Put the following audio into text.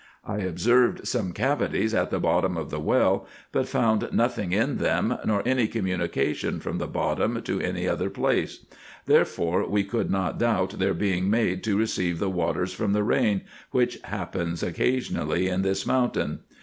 I observed some cavities at the bottom of the well, but found nothing in them, nor any communication from the bottom to any other place ; therefore we could not doubt their being made to receive the waters from the rain, which happens occasionally in this mountain.